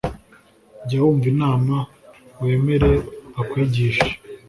Jya wumva inama wemere bakwigishe